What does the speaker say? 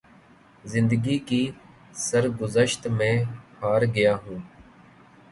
زندگی کی سرگزشت میں ہار گیا ہوں۔